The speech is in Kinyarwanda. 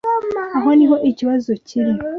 Aho niho ikibazo kiri.